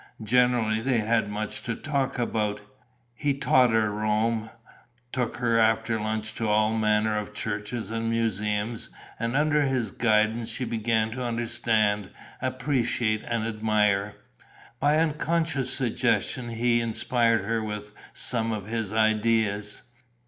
Generally they had much to talk about: he taught her Rome, took her after lunch to all manner of churches and museums; and under his guidance she began to understand, appreciate and admire. By unconscious suggestion he inspired her with some of his ideas.